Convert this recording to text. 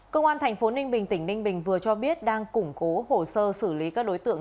cơ quan thành phố ninh bình tỉnh ninh bình vừa cho biết đang củng cố hồ sơ xử lý các đối tượng